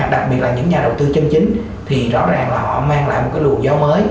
đặc biệt là những nhà đầu tư chân chính thì rõ ràng là họ mang lại một cái luồng gió mới